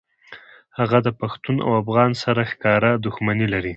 هغه د پښتون او افغان سره ښکاره دښمني لري